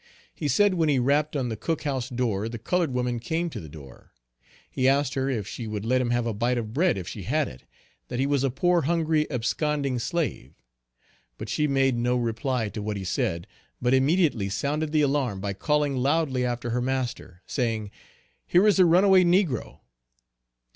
He said when he rapped on the cook house door, the colored woman came to the door. He asked her if she would let him have a bite of bread if she had it, that he was a poor hungry absconding slave. But she made no reply to what he said but immediately sounded the alarm by calling loudly after her master, saying, "here is a runaway negro!"